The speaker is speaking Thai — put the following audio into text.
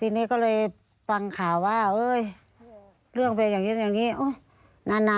ทีนี้ก็เลยฟังข่าวว่าเรื่องเป็นอย่างนี้อย่างนี้นาน